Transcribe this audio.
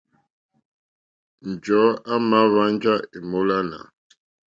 Njɔ̀ɔ́ àmà hwánjá èmólánà.